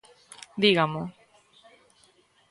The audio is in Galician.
¡Dígamo!